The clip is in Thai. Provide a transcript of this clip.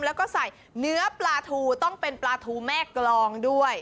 แล้วก็ใส่เนื้อปลาทูต้องเป็นปลาทูแม่กรองด้วย